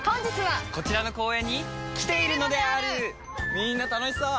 みんな楽しそう！